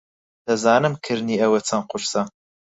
دەزانم کردنی ئەوە چەند قورسە.